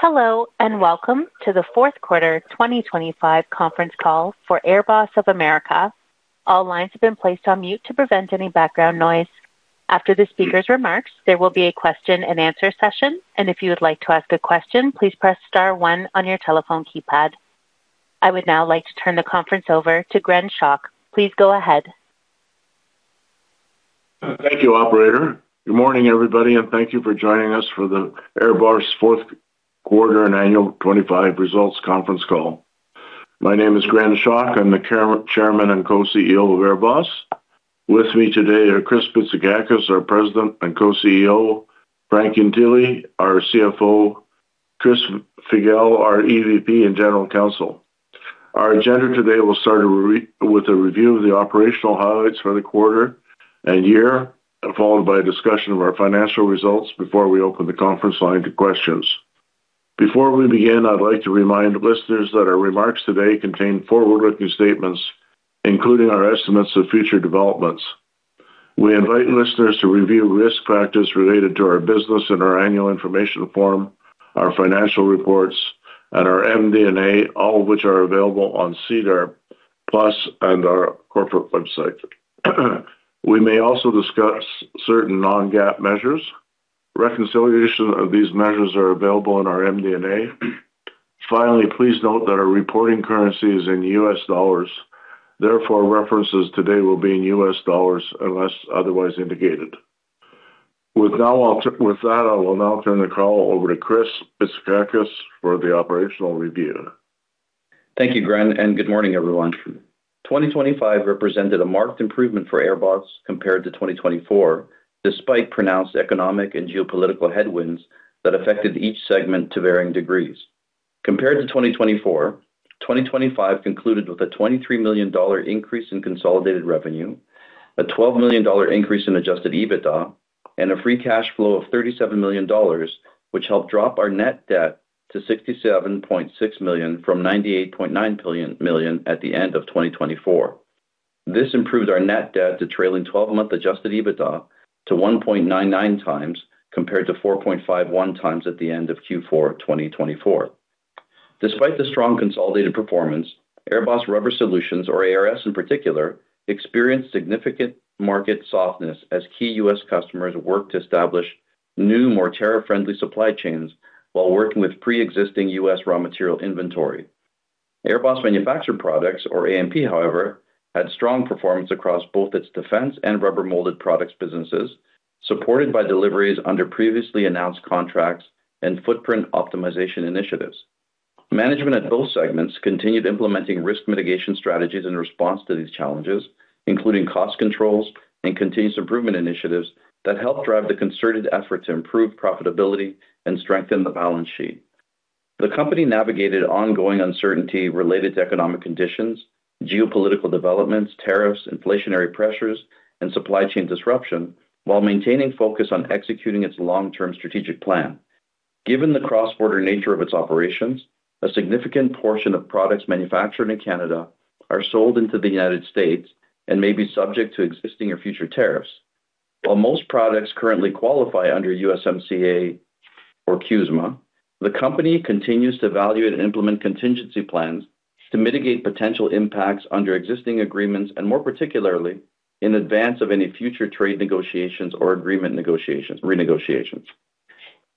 Hello, welcome to the fourth quarter 2025 conference call for AirBoss of America. All lines have been placed on mute to prevent any background noise. After the speaker's remarks, there will be a question and answer session. If you would like to ask a question, please press star one on your telephone keypad. I would now like to turn the conference over to Gren Schoch. Please go ahead. Thank you, operator. Good morning, everybody, and thank you for joining us for the AirBoss fourth quarter and annual 25 results conference call. My name is Gren Schoch. I'm the Chairman and Co-CEO of AirBoss. With me today are Chris Bitsakakis, our President and Co-CEO, Frank Ientile, our CFO, Chris Figel, our EVP and General Counsel. Our agenda today will start with a review of the operational highlights for the quarter and year, followed by a discussion of our financial results before we open the conference line to questions. Before we begin, I'd like to remind listeners that our remarks today contain forward-looking statements, including our estimates of future developments. We invite listeners to review risk factors related to our business in our annual information form, our financial reports, and our MD&A, all of which are available on SEDAR+ and our corporate website. We may also discuss certain non-GAAP measures. Reconciliation of these measures are available in our MD&A. Finally, please note that our reporting currency is in U.S. dollars. Therefore, references today will be in U.S. dollars unless otherwise indicated. With that, I will now turn the call over to Chris Bitsakakis for the operational review. Thank you, Gren, good morning, everyone. 2025 represented a marked improvement for AirBoss compared to 2024, despite pronounced economic and geopolitical headwinds that affected each segment to varying degrees. Compared to 2024, 2025 concluded with a $23 million increase in consolidated revenue, a $12 million increase in adjusted EBITDA, and a free cash flow of $37 million, which helped drop our net debt to $67.6 million from $98.9 million at the end of 2024. This improved our net debt to trailing twelve-month adjusted EBITDA to 1.99 times compared to 4.51 times at the end of Q4 2024. Despite the strong consolidated performance, AirBoss Rubber Solutions, or ARS in particular, experienced significant market softness as key U.S. customers worked to establish new, more tariff-friendly supply chains while working with pre-existing U.S. raw material inventory. AirBoss Manufactured Products, or AMP, however, had strong performance across both its defense and rubber molded products businesses, supported by deliveries under previously announced contracts and footprint optimization initiatives. Management at those segments continued implementing risk mitigation strategies in response to these challenges, including cost controls and continuous improvement initiatives that helped drive the concerted effort to improve profitability and strengthen the balance sheet. The company navigated ongoing uncertainty related to economic conditions, geopolitical developments, tariffs, inflationary pressures, and supply chain disruption while maintaining focus on executing its long-term strategic plan. Given the cross-border nature of its operations, a significant portion of products manufactured in Canada are sold into the United States and may be subject to existing or future tariffs. While most products currently qualify under USMCA or CUSMA, the company continues to evaluate and implement contingency plans to mitigate potential impacts under existing agreements and, more particularly, in advance of any future trade renegotiations.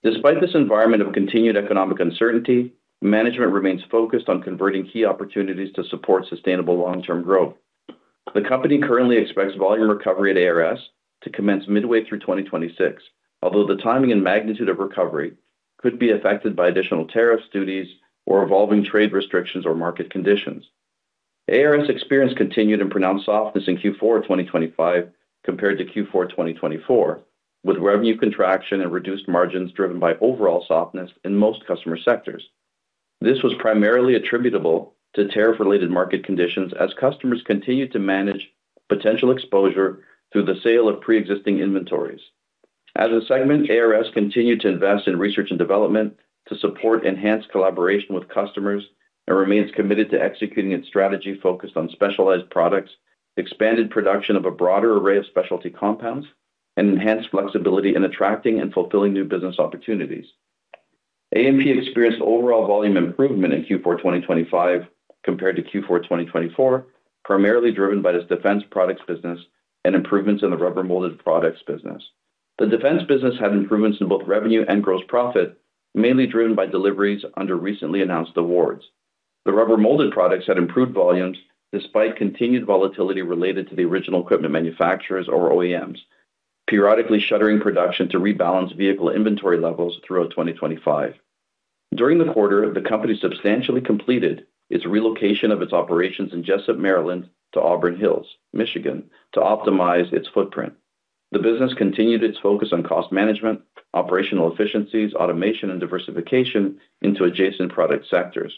Despite this environment of continued economic uncertainty, management remains focused on converting key opportunities to support sustainable long-term growth. The company currently expects volume recovery at ARS to commence midway through 2026. Although the timing and magnitude of recovery could be affected by additional tariff duties or evolving trade restrictions or market conditions. ARS experienced continued pronounced softness in Q4 2025 compared to Q4 2024, with revenue contraction and reduced margins driven by overall softness in most customer sectors. This was primarily attributable to tariff-related market conditions as customers continued to manage potential exposure through the sale of pre-existing inventories. As a segment, ARS continued to invest in research and development to support enhanced collaboration with customers and remains committed to executing its strategy focused on specialized products, expanded production of a broader array of specialty compounds, and enhanced flexibility in attracting and fulfilling new business opportunities. AMP experienced overall volume improvement in Q4 2025 compared to Q4 2024, primarily driven by its defense products business and improvements in the rubber molded products business. The defense business had improvements in both revenue and gross profit, mainly driven by deliveries under recently announced awards. The rubber molded products had improved volumes despite continued volatility related to the Original Equipment Manufacturers or OEMs, periodically shuttering production to rebalance vehicle inventory levels throughout 2025. During the quarter, the company substantially completed its relocation of its operations in Jessup, Maryland, to Auburn Hills, Michigan, to optimize its footprint. The business continued its focus on cost management, operational efficiencies, automation, and diversification into adjacent product sectors.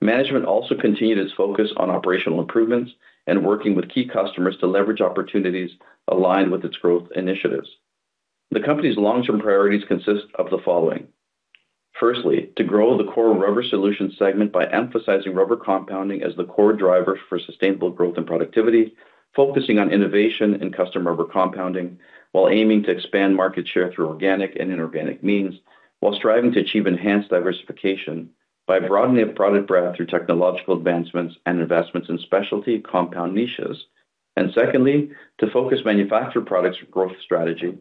Management also continued its focus on operational improvements and working with key customers to leverage opportunities aligned with its growth initiatives. The company's long-term priorities consist of the following. Firstly, to grow the core rubber solutions segment by emphasizing rubber compounding as the core driver for sustainable growth and productivity, focusing on innovation in custom rubber compounding while aiming to expand market share through organic and inorganic means while striving to achieve enhanced diversification by broadening a product breadth through technological advancements and investments in specialty compound niches. Secondly, to focus manufacture products growth strategy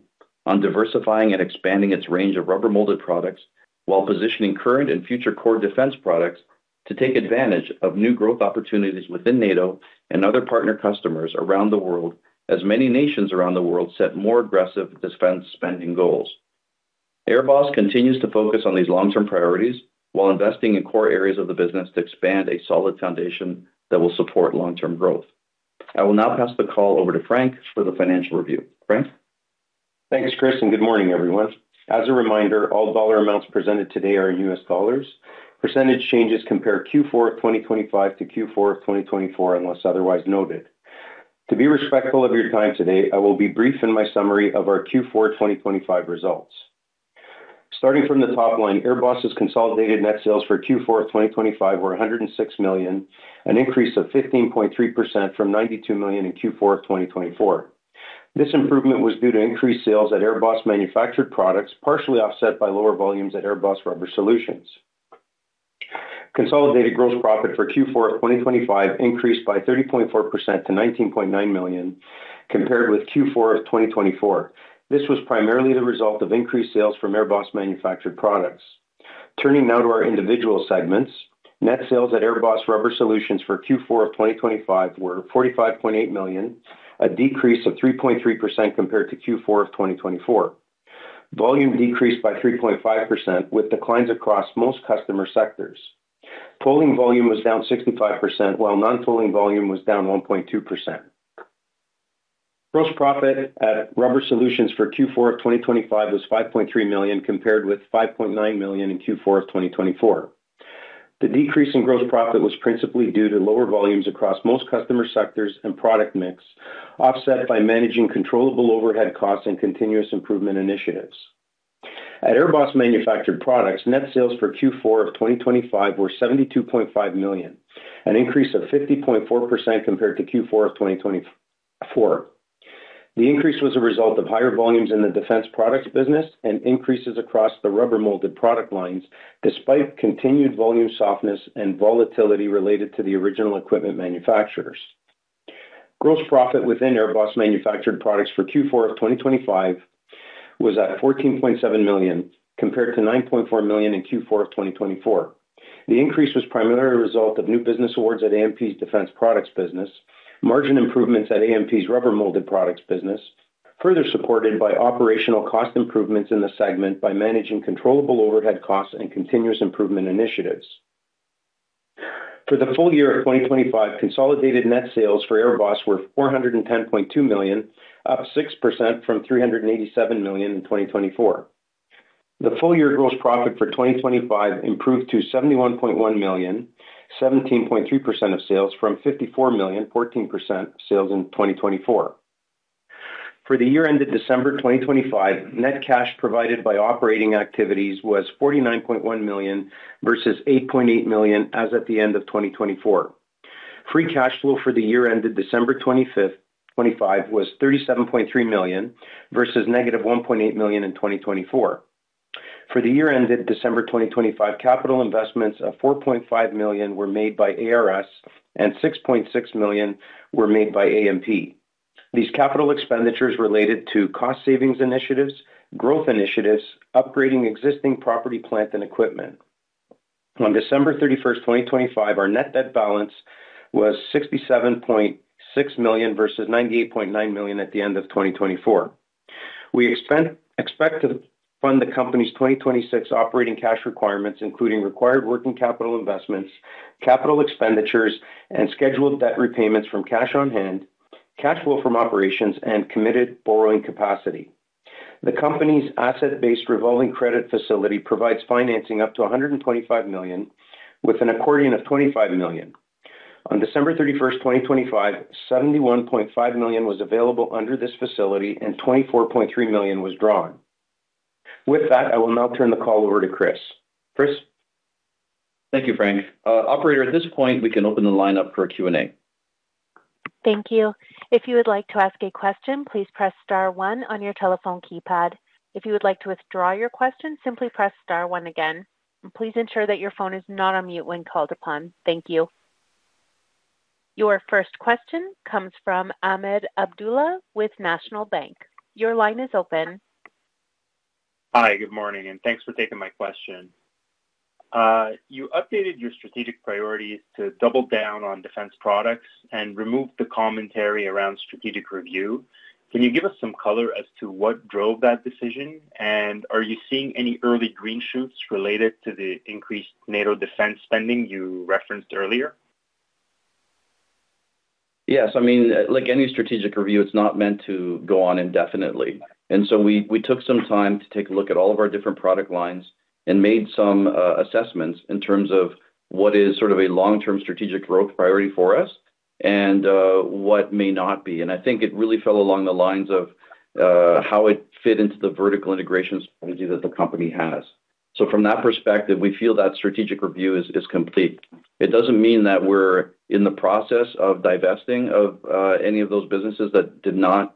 on diversifying and expanding its range of rubber molded products while positioning current and future core defense products to take advantage of new growth opportunities within NATO and other partner customers around the world, as many nations around the world set more aggressive defense spending goals. AirBoss continues to focus on these long-term priorities while investing in core areas of the business to expand a solid foundation that will support long-term growth. I will now pass the call over to Frank for the financial review. Frank? Thanks, Chris, good morning, everyone. As a reminder, all dollar amounts presented today are U.S. dollars. Percentage changes compare Q4 of 2025 to Q4 of 2024, unless otherwise noted. To be respectful of your time today, I will be brief in my summary of our Q4 of 2025 results. Starting from the top line, AirBoss' consolidated net sales for Q4 of 2025 were $106 million, an increase of 15.3% from $92 million in Q4 of 2024. This improvement was due to increased sales at AirBoss Manufactured Products, partially offset by lower volumes at AirBoss Rubber Solutions. Consolidated gross profit for Q4 of 2025 increased by 30.4% to $19.9 million compared with Q4 of 2024. This was primarily the result of increased sales from AirBoss Manufactured Products. Turning now to our individual segments. Net sales at AirBoss Rubber Solutions for Q4 of 2025 were $45.8 million, a decrease of 3.3% compared to Q4 of 2024. Volume decreased by 3.5%, with declines across most customer sectors. tolling volume was down 65%, while non-tolling volume was down 1.2%. Gross profit at Rubber Solutions for Q4 of 2025 was $5.3 million, compared with $5.9 million in Q4 of 2024. The decrease in gross profit was principally due to lower volumes across most customer sectors and product mix, offset by managing controllable overhead costs and continuous improvement initiatives. At AirBoss Manufactured Products, net sales for Q4 of 2025 were $72.5 million, an increase of 50.4% compared to Q4 of 2024. The increase was a result of higher volumes in the Defense Products business and increases across the rubber molded product lines, despite continued volume softness and volatility related to the Original Equipment Manufacturers. Gross profit within AirBoss Manufactured Products for Q4 of 2025 was at $14.7 million, compared to $9.4 million in Q4 of 2024. The increase was primarily a result of new business awards at AMP's Defense Products business. Margin improvements at AMP's Rubber Molded Products business, further supported by operational cost improvements in the segment by managing controllable overhead costs and continuous improvement initiatives. For the full year of 2025, consolidated net sales for AirBoss were $410.2 million, up 6% from $387 million in 2024. The full year gross profit for 2025 improved to $71.1 million, 17.3% of sales, from $54 million, 14% of sales in 2024. For the year ended December 2025, net cash provided by operating activities was $49.1 million versus $8.8 million as at the end of 2024. Free cash flow for the year ended December 25, 2025 was $37.3 million versus -$1.8 million in 2024. For the year ended December 2025, capital investments of $4.5 million were made by ARS and $6.6 million were made by AMP. These capital expenditures related to cost savings initiatives, growth initiatives, upgrading existing property, plant, and equipment. On December 31st, 2025, our net debt balance was $67.6 million versus $98.9 million at the end of 2024. We expect to fund the company's 2026 operating cash requirements, including required working capital investments, CapEx, and scheduled debt repayments from cash on hand, cash flow from operations, and committed borrowing capacity. The company's asset-based revolving credit facility provides financing up to $125 million, with an accordion of $25 million. On December 31st, 2025, $71.5 million was available under this facility and $24.3 million was drawn. With that, I will now turn the call over to Chris. Chris? Thank you, Frank. operator, at this point, we can open the line up for Q&A. Thank you. If you would like to ask a question, please press star one on your telephone keypad. If you would like to withdraw your question, simply press star one again. Please ensure that your phone is not on mute when called upon. Thank you. Your first question comes from Ahmed Abdullah with National Bank. Your line is open. Hi, good morning, and thanks for taking my question. You updated your strategic priorities to double down on defense products and removed the commentary around strategic review. Can you give us some color as to what drove that decision? Are you seeing any early green shoots related to the increased NATO defense spending you referenced earlier? Yes. I mean, like any strategic review, it's not meant to go on indefinitely. We took some time to take a look at all of our different product lines and made some assessments in terms of what is sort of a long-term strategic growth priority for us and what may not be. I think it really fell along the lines of how it fit into the vertical integration strategy that the company has. From that perspective, we feel that strategic review is complete. It doesn't mean that we're in the process of divesting of any of those businesses that did not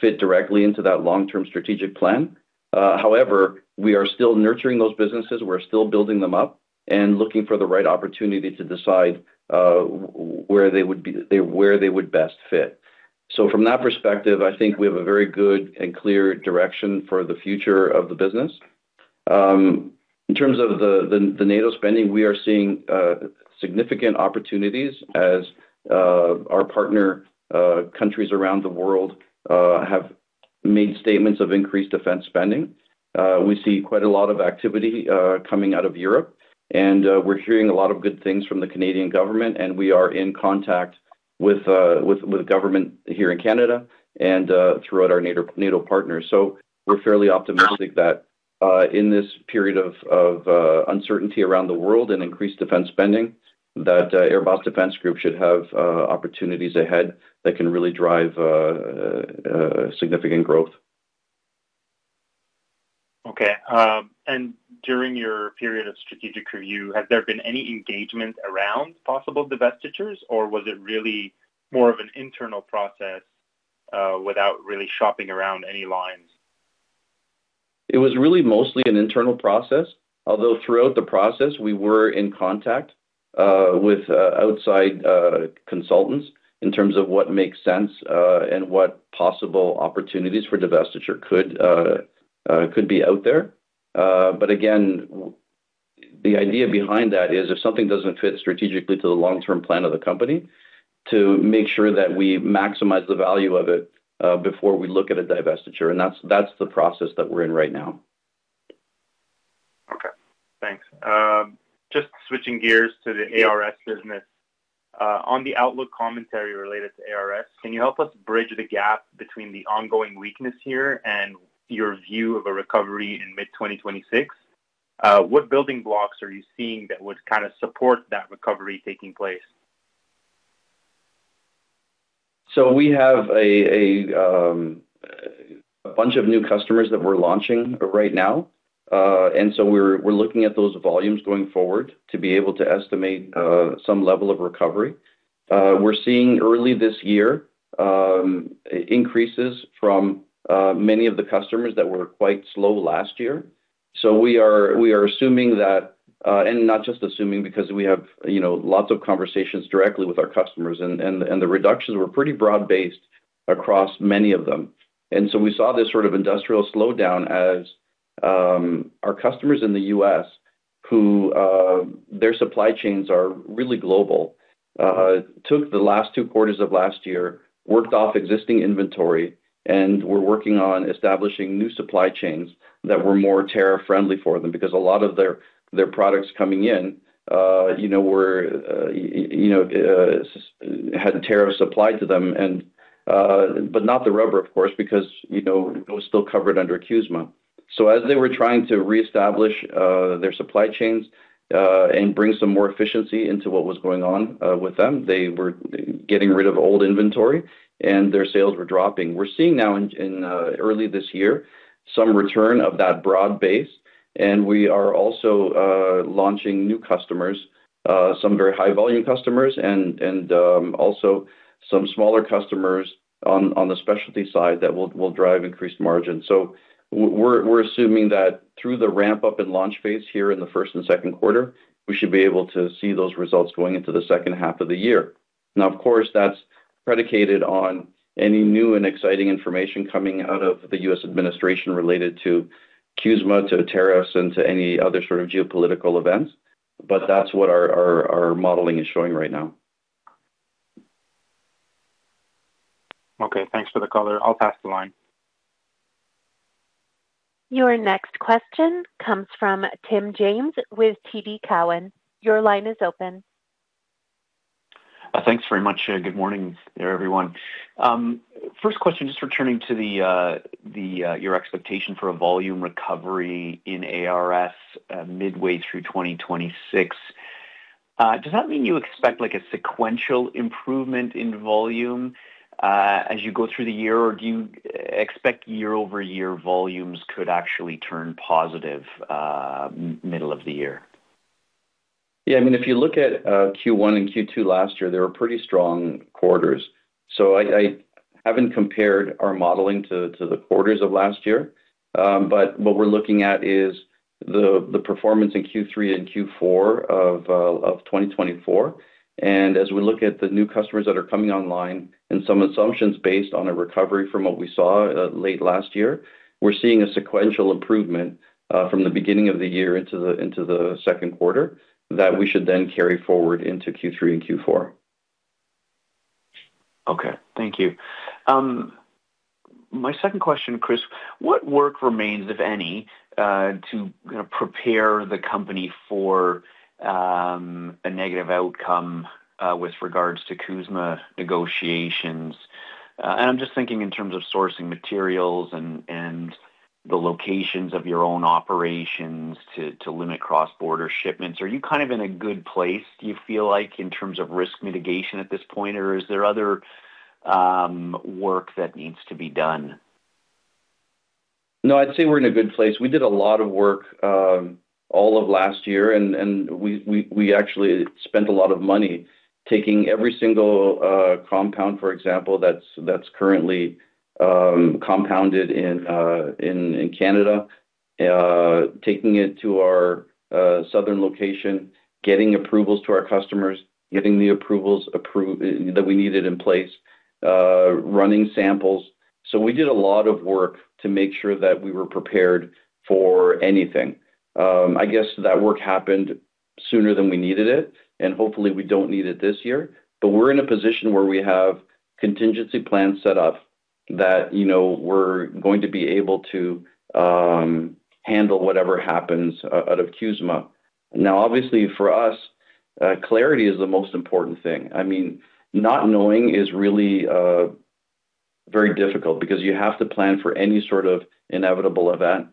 fit directly into that long-term strategic plan. However, we are still nurturing those businesses. We're still building them up and looking for the right opportunity to decide where they would best fit. From that perspective, I think we have a very good and clear direction for the future of the business. In terms of the NATO spending, we are seeing significant opportunities as our partner countries around the world have made statements of increased defense spending. We see quite a lot of activity coming out of Europe, and we're hearing a lot of good things from the Canadian government, and we are in contact with government here in Canada and throughout our NATO partners. We're fairly optimistic that in this period of uncertainty around the world and increased defense spending, that AirBoss Defense Group should have opportunities ahead that can really drive significant growth. Okay. during your period of strategic review, has there been any engagement around possible divestitures, or was it really more of an internal process, without really shopping around any lines? It was really mostly an internal process, although throughout the process, we were in contact with outside consultants in terms of what makes sense, and what possible opportunities for divestiture could be out there. But again, the idea behind that is if something doesn't fit strategically to the long-term plan of the company, to make sure that we maximize the value of it before we look at a divestiture. That's the process that we're in right now. Okay, thanks. Just switching gears to the ARS business. On the outlook commentary related to ARS, can you help us bridge the gap between the ongoing weakness here and your view of a recovery in mid-2026? What building blocks are you seeing that would support that recovery taking place? We have a bunch of new customers that we're launching right now. We're looking at those volumes going forward to be able to estimate some level of recovery. We're seeing early this year increases from many of the customers that were quite slow last year. We are assuming that, and not just assuming, because we have, you know, lots of conversations directly with our customers, and the reductions were pretty broad-based across many of them. We saw this sort of industrial slowdown as our customers in the U.S., who, their supply chains are really global, took the last two quarters of last year, worked off existing inventory, and were working on establishing new supply chains that were more tariff-friendly for them because a lot of their products coming in, you know, were, you know, had tariffs applied to them and, but not the rubber, of course, because, you know, it was still covered under CUSMA. As they were trying to reestablish, their supply chains, and bring some more efficiency into what was going on, with them, they were getting rid of old inventory, and their sales were dropping. We're seeing now in early this year some return of that broad base. We are also launching new customers, some very high volume customers and also some smaller customers on the specialty side that will drive increased margin. We're assuming that through the ramp-up and launch phase here in the first and second quarter, we should be able to see those results going into the second half of the year. Of course, that's predicated on any new and exciting information coming out of the U.S. administration related to CUSMA, to tariffs, and to any other sort of geopolitical events. That's what our modeling is showing right now. Okay, thanks for the color. I'll pass the line. Your next question comes from Tim James with TD Cowen. Your line is open. Thanks very much. Good morning, everyone. First question, just returning to the your expectation for a volume recovery in ARS midway through 2026. Does that mean you expect, like, a sequential improvement in volume as you go through the year, or do you expect year-over-year volumes could actually turn positive middle of the year? I mean, if you look at Q1 and Q2 last year, they were pretty strong quarters. I haven't compared our modeling to the quarters of last year. But what we're looking at is the performance in Q3 and Q4 of 2024. As we look at the new customers that are coming online and some assumptions based on a recovery from what we saw late last year, we're seeing a sequential improvement from the beginning of the year into the second quarter that we should then carry forward into Q3 and Q4. Okay. Thank you. My second question, Chris, what work remains, if any, to prepare the company for a negative outcome with regards to CUSMA negotiations? I'm just thinking in terms of sourcing materials and the locations of your own operations to limit cross-border shipments. Are you kind of in a good place, do you feel like, in terms of risk mitigation at this point, or is there other work that needs to be done? No, I'd say we're in a good place. We did a lot of work all of last year, and we actually spent a lot of money taking every single compound, for example, that's currently compounded in Canada, taking it to our southern location, getting approvals to our customers, getting the approvals that we needed in place, running samples. We did a lot of work to make sure that we were prepared for anything. I guess that work happened sooner than we needed it, and hopefully we don't need it this year. We're in a position where we have contingency plans set up that, you know, we're going to be able to handle whatever happens out of CUSMA. Obviously, for us, clarity is the most important thing. I mean, not knowing is really very difficult because you have to plan for any sort of inevitable event.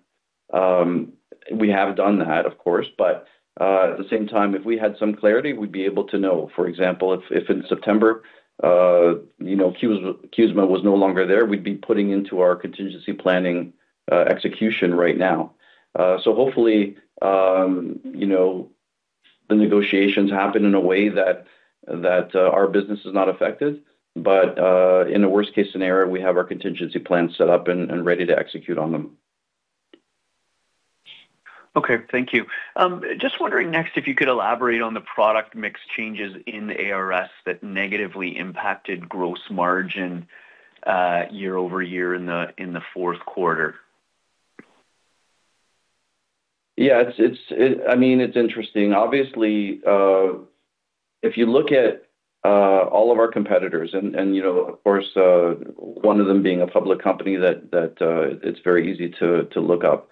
We have done that, of course, but at the same time, if we had some clarity, we'd be able to know. For example, if in September, you know, CUSMA was no longer there, we'd be putting into our contingency planning execution right now. Hopefully, you know, the negotiations happen in a way that our business is not affected. In the worst-case scenario, we have our contingency plans set up and ready to execute on them. Okay. Thank you. just wondering next, if you could elaborate on the product mix changes in ARS that negatively impacted gross margin, year-over-year in the fourth quarter? Yeah. I mean, it's interesting. Obviously, if you look at all of our competitors and you know, of course, one of them being a public company that it's very easy to look up.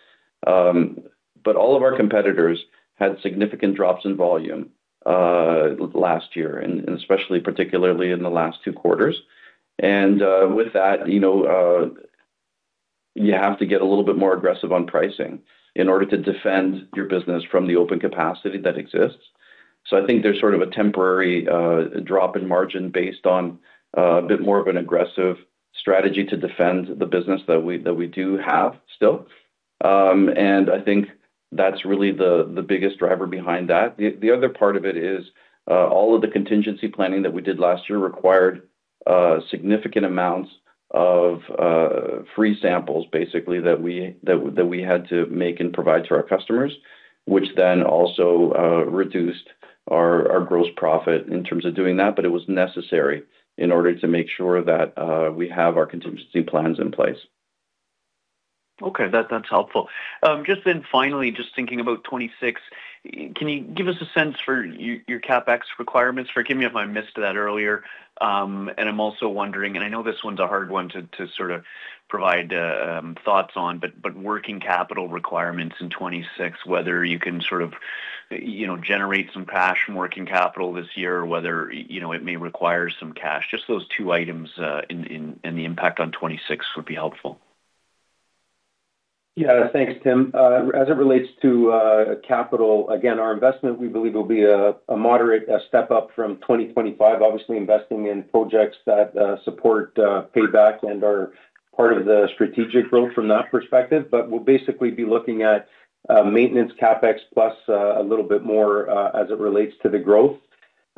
All of our competitors had significant drops in volume last year, and especially particularly in the last two quarters. With that, you know, you have to get a little bit more aggressive on pricing in order to defend your business from the open capacity that exists. I think there's sort of a temporary drop in margin based on a bit more of an aggressive strategy to defend the business that we do have still. I think that's really the biggest driver behind that. The other part of it is, all of the contingency planning that we did last year required significant amounts of free samples, basically, that we had to make and provide to our customers, which then also reduced our gross profit in terms of doing that. It was necessary in order to make sure that we have our contingency plans in place. Okay. That's helpful. Finally, just thinking about 2026, can you give us a sense for your CapEx requirements? Forgive me if I missed that earlier. I'm also wondering, and I know this one's a hard one to sort of provide thoughts on, but working capital requirements in 2026, whether you can sort of, you know, generate some cash from working capital this year or whether, you know, it may require some cash. Just those two items, and the impact on 2026 would be helpful. Yeah. Thanks, Tim. As it relates to capital, again, our investment, we believe, will be a moderate step up from 2025, obviously investing in projects that support payback and are part of the strategic growth from that perspective. We'll basically be looking at maintenance CapEx plus a little bit more as it relates to the growth.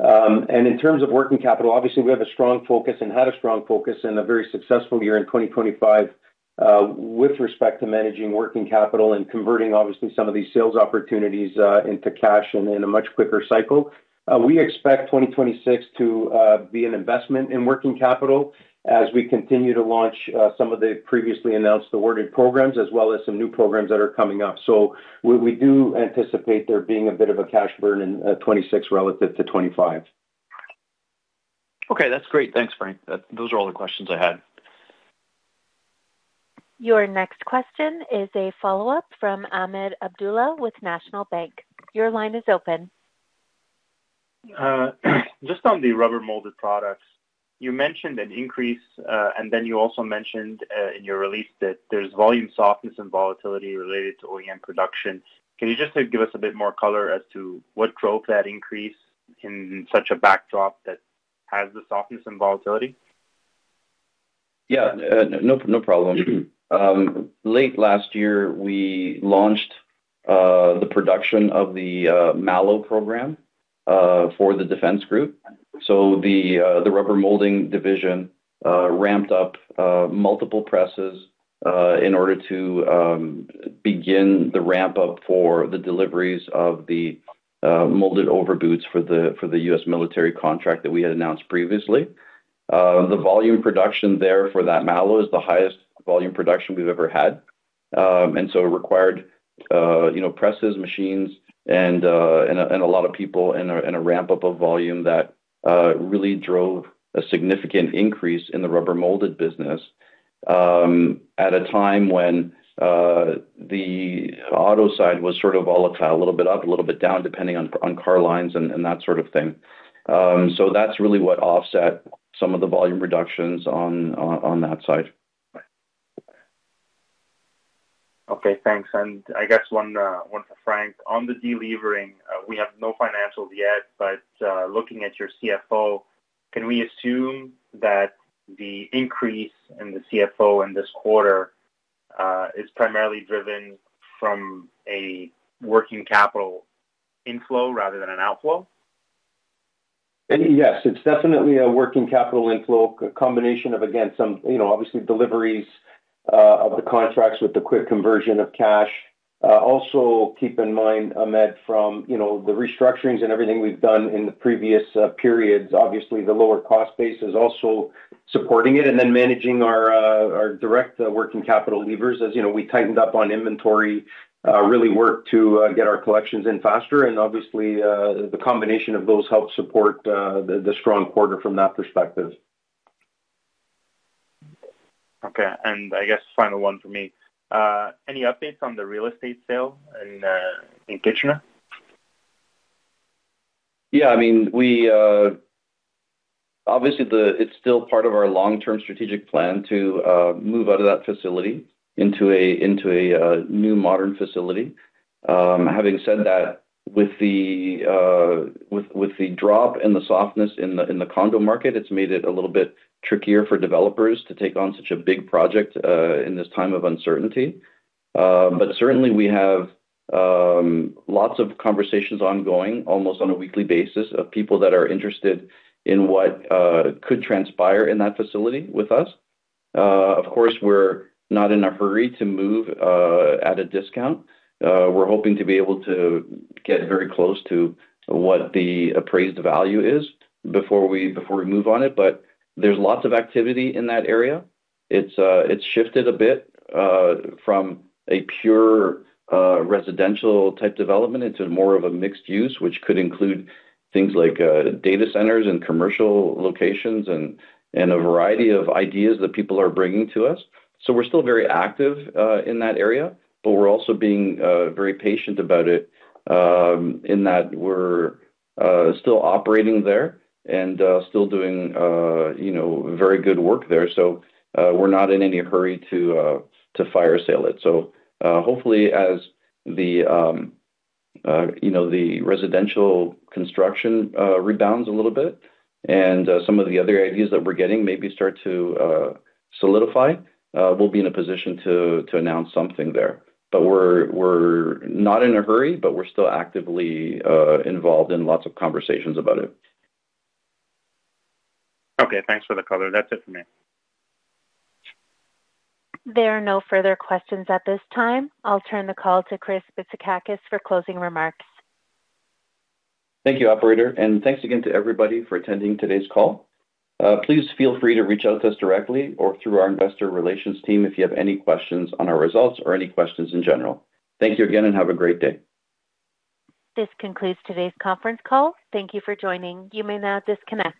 In terms of working capital, obviously, we have a strong focus and had a strong focus and a very successful year in 2025, with respect to managing working capital and converting obviously some of these sales opportunities into cash and in a much quicker cycle. We expect 2026 to be an investment in working capital as we continue to launch some of the previously announced awarded programs as well as some new programs that are coming up. We, we do anticipate there being a bit of a cash burn in 26 relative to 25. Okay. That's great. Thanks, Frank. Those are all the questions I had. Your next question is a follow-up from Ahmed Abdullah with National Bank. Your line is open. Just on the rubber molded products, you mentioned an increase, and then you also mentioned, in your release that there's volume softness and volatility related to OEM production. Can you just give us a bit more color as to what drove that increase in such a backdrop that has the softness and volatility? Yeah. No, no problem. Late last year, we launched the production of the MALO program for the Defense Group. The rubber molding division ramped up multiple presses in order to begin the ramp up for the deliveries of the molded overboots for the U.S. military contract that we had announced previously. The volume production there for that MALO is the highest volume production we've ever had. It required, you know, presses, machines, and a lot of people and a ramp up of volume that really drove a significant increase in the rubber molded business at a time when the auto side was sort of volatile, a little bit up, a little bit down, depending on car lines and that sort of thing. That's really what offset some of the volume reductions on that side. Okay, thanks. I guess one for Frank. On the delevering, we have no financials yet, but looking at your CFO. Can we assume that the increase in the CFO in this quarter is primarily driven from a working capital inflow rather than an outflow? Yes. It's definitely a working capital inflow. A combination of, again, some, you know, obviously deliveries, of the contracts with the quick conversion of cash. Keep in mind, Ahmed, from, you know, the restructurings and everything we've done in the previous, periods. Obviously, the lower cost base is also supporting it and then managing our direct, working capital levers. As you know, we tightened up on inventory, really worked to, get our collections in faster and obviously, the combination of those helped support, the strong quarter from that perspective. Okay. I guess final one for me. Any updates on the real estate sale in Kitchener? Yeah, I mean, we. Obviously, it's still part of our long-term strategic plan to move out of that facility into a new modern facility. Having said that, with the drop in the softness in the condo market, it's made it a little bit trickier for developers to take on such a big project in this time of uncertainty. Certainly we have lots of conversations ongoing almost on a weekly basis of people that are interested in what could transpire in that facility with us. Of course, we're not in a hurry to move at a discount. We're hoping to be able to get very close to what the appraised value is before we move on it. There's lots of activity in that area. It's, it's shifted a bit, from a pure, residential type development into more of a mixed use, which could include things like, data centers and commercial locations and a variety of ideas that people are bringing to us. We're still very active, in that area, but we're also being, very patient about it, in that we're, still operating there and, still doing, you know, very good work there. We're not in any hurry to fire sale it. Hopefully as the, you know, the residential construction, rebounds a little bit and, some of the other ideas that we're getting maybe start to, solidify, we'll be in a position to announce something there. We're not in a hurry, but we're still actively involved in lots of conversations about it. Okay. Thanks for the color. That's it for me. There are no further questions at this time. I'll turn the call to Chris Bitsakakis for closing remarks. Thank you, operator, and thanks again to everybody for attending today's call. Please feel free to reach out to us directly or through our investor relations team if you have any questions on our results or any questions in general. Thank you again and have a great day. This concludes today's conference call. Thank you for joining. You may now disconnect.